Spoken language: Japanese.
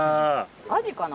アジかな？